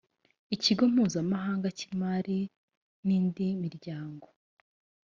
ikigo mpuzamahanga cy’imari n’indi miryango